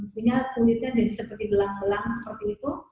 sehingga kulitnya jadi seperti belang belang seperti itu